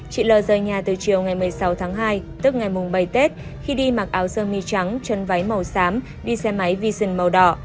chị l t l rơi nhà từ chiều ngày một mươi sáu tháng hai tức ngày mùng bảy tết khi đi mặc áo sơn mi trắng chân váy màu xám đi xe máy vision màu đỏ